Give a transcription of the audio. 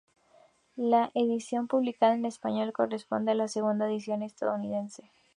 La edición publicada en español corresponde a la segunda edición estadounidense.